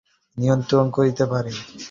বেদ প্রচার করেন, মানবাত্মা অবিনশ্বর।